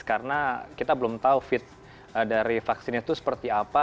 karena kita belum tahu fit dari vaksinnya itu seperti apa